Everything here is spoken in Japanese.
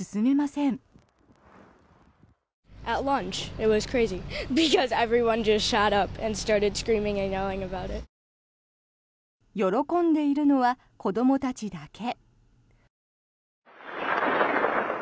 喜んでいるのは子どもたちだけ。